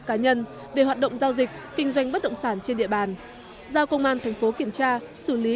cá nhân về hoạt động giao dịch kinh doanh bất động sản trên địa bàn giao công an thành phố kiểm tra xử lý